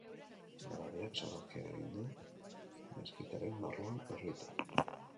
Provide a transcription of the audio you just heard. Garabiak sarraskia eragin du meskitaren barruan erorita.